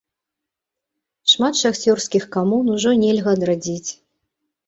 Шмат шахцёрскіх камун ужо нельга адрадзіць.